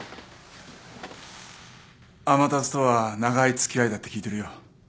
天達とは長い付き合いだって聞いてるよ。